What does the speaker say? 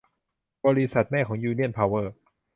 บริษัทแม่ของยูเนี่ยนเพาเวอร์